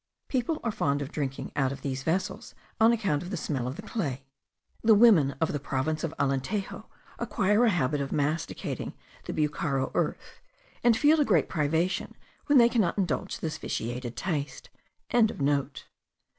People are fond of drinking out of these vessels on account of the smell of the clay. The women of the province of Alentejo acquire a habit of masticating the bucaro earth; and feel a great privation when they cannot indulge this vitiated taste.)